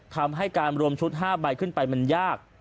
ทำให้การรวมชุด๕ใบขึ้นไปมันยาก